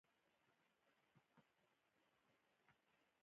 ځینو عربي او بهرنیو رسنیو راواخیسته.